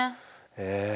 へえ。